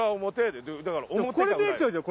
でもこれ出ちゃうじゃん。